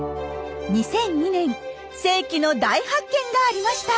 ２００２年世紀の大発見がありました！